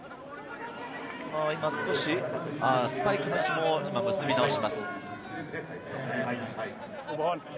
少しスパイクのひもを結び直します。